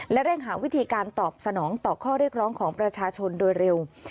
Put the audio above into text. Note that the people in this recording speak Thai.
และเร่งหาวิธีการตอบสนองต่อข้อเรียกร้องของประชาชนโดยเร็ว